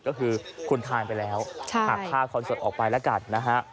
ก็คือคุณทานไปแล้วหักผ้าคอนเสิร์ตออกไปแล้วกันนะฮะ